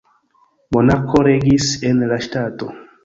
Monarko regis en la ŝtato.